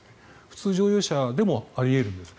普通乗用車でもあり得るんです。